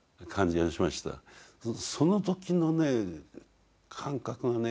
その時のね感覚がね